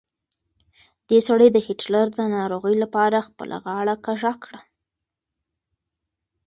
دې سړي د هېټلر د درناوي لپاره خپله غاړه کږه کړه.